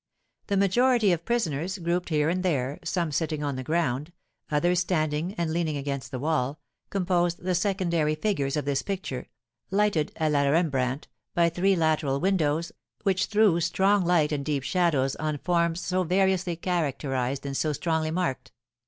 The majority of prisoners, grouped here and there, some sitting on the ground, others standing and leaning against the wall, composed the secondary figures of this picture, lighted, à la Rembrandt, by three lateral windows, which threw strong light and deep shadows on forms so variously characterised and so strongly marked.